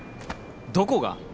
どこが？